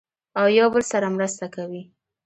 او یو بل سره مرسته کوي.